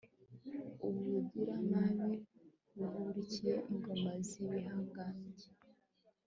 ubugiranabi buhirike ingoma z'ibihangange